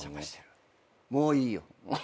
もういいよ。